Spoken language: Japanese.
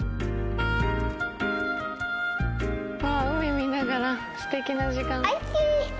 海見ながらステキな時間。